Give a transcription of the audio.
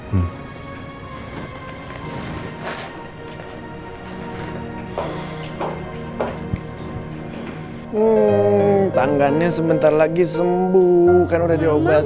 hmm tangganya sebentar lagi sembuh kan udah diobatin